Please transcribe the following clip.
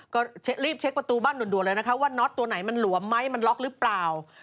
ก็รีบเช็คประตูบ้านด่วนเลยนะคะว่าน็อตตัวไหนมันหลวมไหมมันล็อกหรือเปล่า